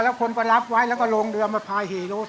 แล้วคนก็รับไว้แล้วก็ลงเรือมาพาขี่รถ